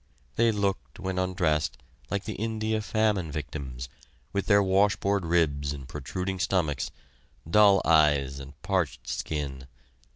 They looked, when undressed, like the India famine victims, with their washboard ribs and protruding stomachs, dull eyes and parched skin.